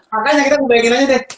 makanya kita ngebayangin aja deh